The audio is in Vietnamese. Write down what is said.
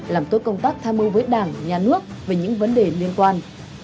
làm tốt công tác tham mưu với đảng nhà nước về những vấn đề liên quan